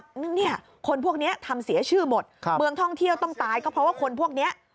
เนี่ยคนพวกนี้ทำเสียชื่อหมดเมืองท่องเที่ยวต้องตายก็เพราะว่าคนพวกนี้